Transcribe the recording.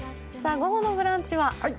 午後の「ブランチ」は？